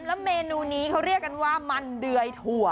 แล้วเมนูนี้เขาเรียกกันว่ามันเดือยถั่ว